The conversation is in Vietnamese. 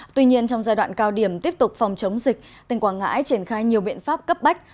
tuy nhiên trong giai đoạn cao điểm tiếp tục phòng chống dịch tỉnh quảng ngãi triển khai nhiều biện pháp cấp bách